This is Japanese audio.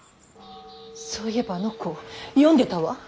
そういえばあの子読んでたわ。